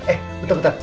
eh bentar bentar